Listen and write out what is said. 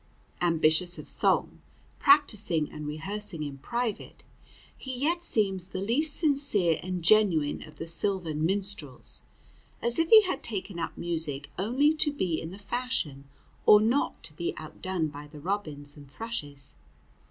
Ambitious of song, practicing and rehearsing in private, he yet seems the least sincere and genuine of the sylvan minstrels, as if he had taken up music only to be in the fashion, or not to be outdone by the robins and thrushes.